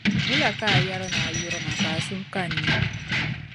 Wula ka a yɛri ni a yuri ma ka a suhu ka n ni?